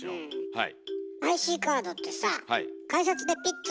はい。